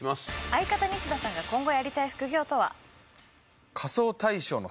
相方西田さんが今後やりたい副業とは？